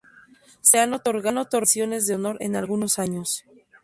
Se han otorgados menciones de honor en algunos años.